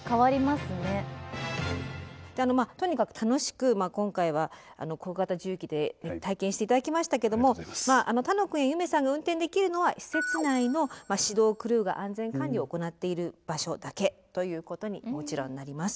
であのとにかく楽しく今回は小型重機で体験して頂きましたけども楽くんや夢さんが運転できるのは施設内の指導クルーが安全管理を行っている場所だけということにもちろんなります。